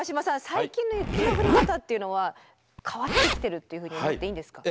最近の雪の降り方っていうのは変わってきてるっていうふうに思っていいんですか？